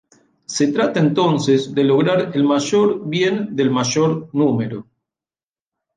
Se trata entonces de lograr el mayor bien del mayor número.